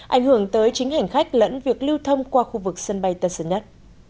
ảnh hưởng tới chính hành khách lẫn việc lưu thông qua khu vực sân bay tân sơn nhất